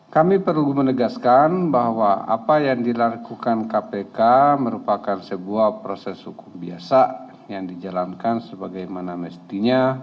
kami perlu menegaskan bahwa apa yang dilakukan kpk merupakan sebuah proses hukum biasa yang dijalankan sebagaimana mestinya